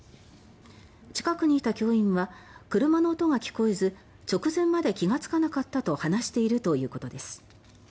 近くにいた教員は車の音が聞こえず直前まで気がつかなかったと話しているということです。